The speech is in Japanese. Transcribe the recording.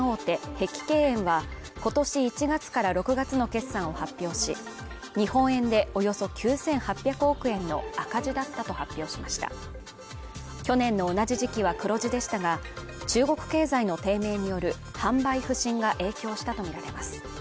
碧桂園は今年１月から６月の決算を発表し日本円でおよそ９８００億円の赤字だったと発表しました去年の同じ時期は黒字でしたが中国経済の低迷による販売不振が影響したと見られます